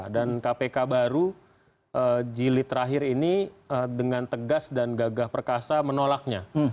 dan kpk baru jilid terakhir ini dengan tegas dan gagah perkasa menolaknya